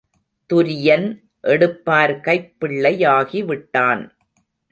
துரியன் எடுப்பார் கைப்பிள்ளையாகிவிட்டான்.